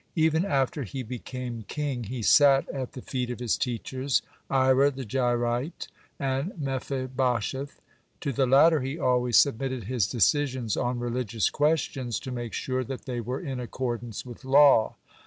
Even after he became king he sat at the feet of his teachers, Ira the Jairite (78) and Mephibosheth. To the latter he always submitted his decisions on religious questions, to make sure that they were in accordance with law.